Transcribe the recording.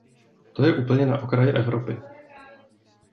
To je úplně na okraji Evropy.